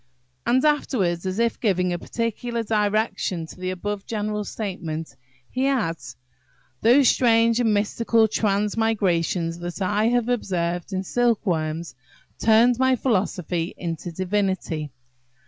And afterwards, as if giving a particular direction to the above general statement, he adds: "Those strange and mystical transmigrations that I have observed in silkworms turned my philosophy into divinity.